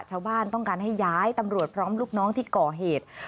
ชาวบ้านต้องการให้ย้ายตำรวจพร้อมลูกน้องที่ก่อเหตุ